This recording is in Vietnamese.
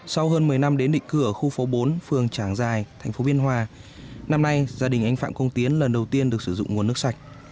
sau hơn một mươi năm đến định cư ở khu phố bốn phường trảng giài thành phố biên hòa năm nay gia đình anh phạm công tiến lần đầu tiên được sử dụng nguồn nước sạch